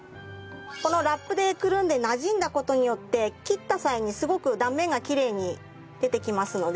このラップでくるんでなじんだ事によって切った際にすごく断面がきれいに出てきますので。